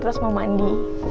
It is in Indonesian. terus mau mandi